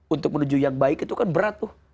untuk menuju yang baik itu kan berat tuh